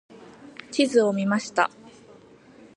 地図を見ました。